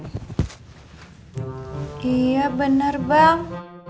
iya benar bang